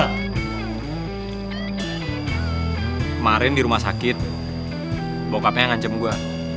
kemarin di rumah sakit bokapnya yang ngancem gua